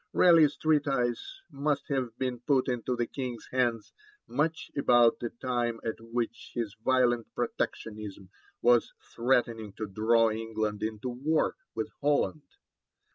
Raleigh's treatise must have been put into the King's hands much about the time at which his violent protectionism was threatening to draw England into war with Holland.